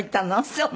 そう。